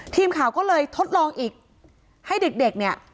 ทีมข่าวก็เลยทดลองอีกให้เด็กเนี่ย